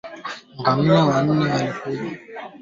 ni mmoja ya makundi yanayofanya ukatili mkubwa kati ya